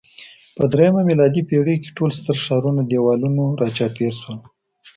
په درېیمه میلادي پېړۍ کې ټول ستر ښارونه دېوالونو راچاپېر شول